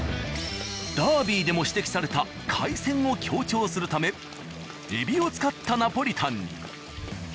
ダービーでも指摘された海鮮を強調するためエビを使ったナポリタンに。